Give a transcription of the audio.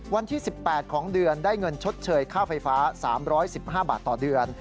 วันที่๑๘ของเดือนได้เงินชดเชยค่าไฟฟ้า๓๑๕บาทต่อเดือน